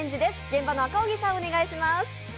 現場の赤荻さん、お願いします。